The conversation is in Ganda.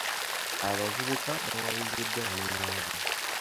Abavubuka bawabiziddwa banaabwe.